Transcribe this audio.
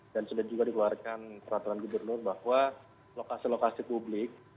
dan sudah juga dikeluarkan peraturan jidur nur bahwa lokasi lokasi publik